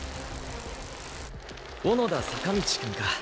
小野田坂道くんか。